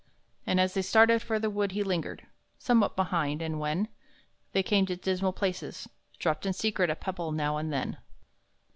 And, as they started for the wood, he lingered Somewhat behind, and when They came to dismal places, dropped in secret A pebble now and then.